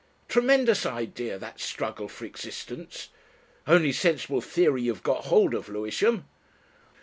Tremendous idea that struggle for existence. Only sensible theory you've got hold of, Lewisham.